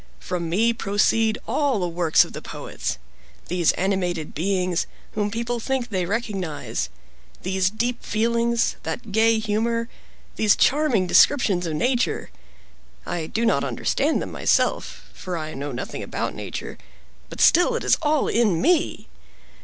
From me proceed all the works of the poets. These animated beings, whom people think they recognize—these deep feelings, that gay humor, these charming descriptions of nature—I do not understand them myself, for I know nothing about nature; but still it is all in me.